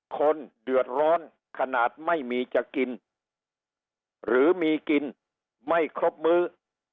คนเดือดร้อนขนาดไม่มีจะกินหรือมีกินไม่ครบมื้อ